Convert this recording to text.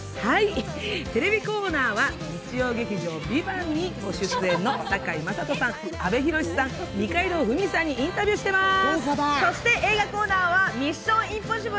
テレビコーナーは日曜劇場「ＶＩＶＡＮＴ」にご出演の堺雅人さん、阿部寛さん、二階堂ふみさんにインタビューしています。